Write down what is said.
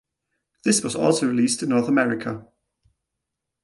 This was also released in North America.